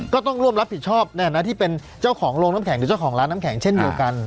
ก็ต้องร่วมรับผิดชอบที่เป็นเจ้าของโรงน้ำแข็งหรือเจ้าของร้านน้ำแข็งเช่นเดียวกัน